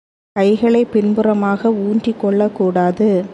கைகளைப் பின்புறமாக ஊன்றிக் கொள்ளக் கூடாது.